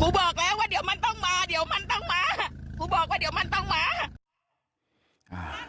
กูบอกแล้วเดี๋ยวมันต้องมาเดี๋ยวมันต้องมา